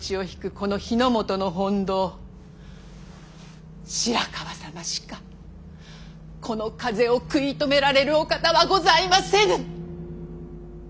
この日の本の本道白河様しかこの風を食い止められるお方はございませぬ！